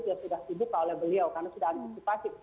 yang sudah dibuka oleh beliau karena sudah antisipasi